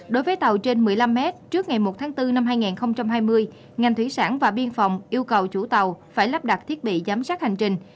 đối với tàu trên một mươi năm mét trước ngày một tháng bốn năm hai nghìn hai mươi ngành thủy sản và biên phòng yêu cầu chủ tàu phải lắp đặt thiết bị giám sát hành trình